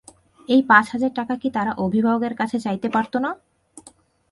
এই পাঁচ হাজার টাকা কি তারা অভিভাবকের কাছে চাইতে পারত না?